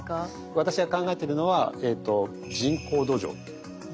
私が考えてるのは人工ですか。